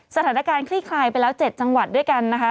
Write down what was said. สถานการณ์คลี่คลายไปแล้ว๗จังหวัดด้วยกันนะคะ